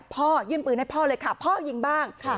พ่อยื่นปืนให้พ่อเลยค่ะพ่อยิงบ้าง